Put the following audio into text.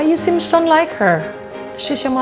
kenapa lu kayaknya ga suka sama dia